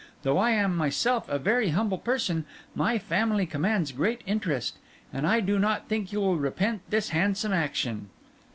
Though I am myself a very humble person, my family commands great interest; and I do not think you will repent this handsome action.